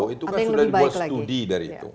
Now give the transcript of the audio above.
itu kan sudah dibuat studi dari itu